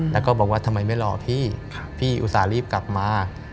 แล้วก็บอกว่าทำไมไม่รอพี่พี่อุตส่าห์รีบกลับมา